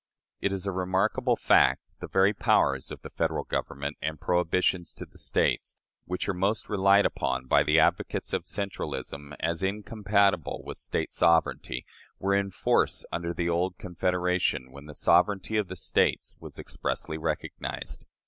It is a remarkable fact that the very powers of the Federal Government and prohibitions to the States, which are most relied upon by the advocates of centralism as incompatible with State sovereignty, were in force under the old Confederation when the sovereignty of the States was expressly recognized.